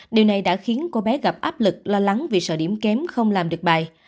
điều này đã khiến cô bé gặp áp lực lo lắng vì sợ điểm kém không làm được bài